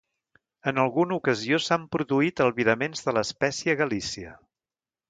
En alguna ocasió s'han produït albiraments de l'espècie a Galícia.